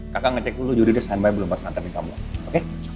kakak ngecek dulu udi udah standby belum bakal nantepin kamu oke